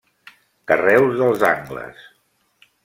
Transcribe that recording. Carreus dels angles.